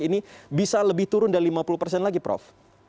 ini bisa lebih turun dari lima puluh persen lagi prof